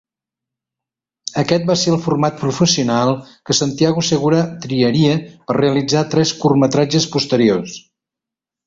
Aquest va ser el format professional que Santiago Segura triaria per realitzar tres curtmetratges posteriors.